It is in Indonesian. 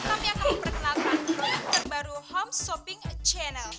kami akan memperkenalkan produk terbaru homeshopping channel